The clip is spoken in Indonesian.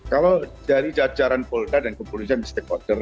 kalau dari jajaran polda dan kepolisian misalnya kode